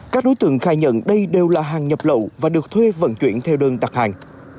các đối tượng khai nhận đây đều là hàng nhập lậu và được thuê vận chuyển theo đơn đặt hàng